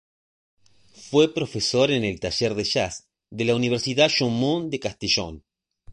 Fue profesor en el taller de Jazz de la Universidad Jaume I de Castellón.